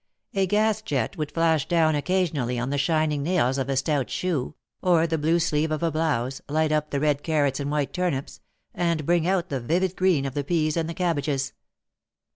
A gas jet would flash down occasionally on the shining nails of a stout shoe, or the blue sleeve of a blouse, light up the red carrots and white turnips, and bring out the vivid green of the peas and the cabbages.